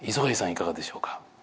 いかがでしょうか？